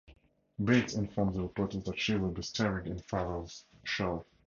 Bates informs the reporters that she will be starring in Farrell's show.